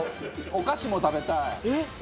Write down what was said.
「お菓子も食べたい！」